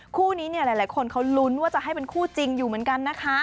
คู่นี้เนี่ยหลายคนเขาลุ้นว่าจะให้เป็นคู่จริงอยู่เหมือนกันนะคะ